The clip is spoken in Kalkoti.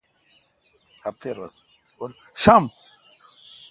شنب